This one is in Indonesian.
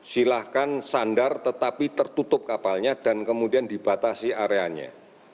silahkan sandar tetapi tertutup kapalnya dan kemudian dibatasi areanya